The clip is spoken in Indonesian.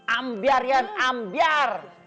ambiar jan ambiar